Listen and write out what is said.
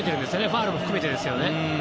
ファウルも含めてですけど。